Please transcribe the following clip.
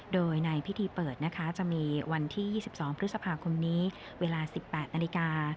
โดยในพิธีเปิดนะคะจะมีวันที่๒๒พฤษภาคมนี้เวลา๑๘นาฬิกา